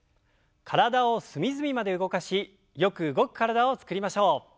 体を隅々まで動かしよく動く体を作りましょう。